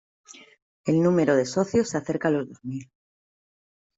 El número de socios se acerca a los dos mil.